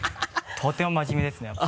とても真面目ですねやっぱ。